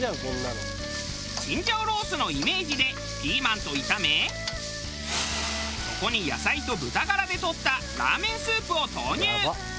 チンジャオロースのイメージでピーマンと炒めそこに野菜と豚ガラでとったラーメンスープを投入。